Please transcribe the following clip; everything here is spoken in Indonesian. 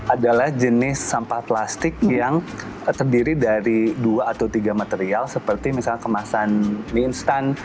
adalah jenis sampah plastik yang terdiri dari dua atau tiga material seperti misalnya kemasan mie instan